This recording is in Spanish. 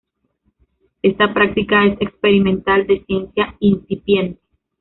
Esta práctica es experimental, de ciencia incipiente.